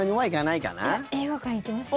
いや、映画館行きますよ。